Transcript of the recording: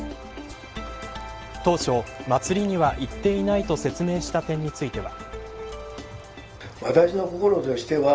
当初、祭りには行っていないと説明した点については。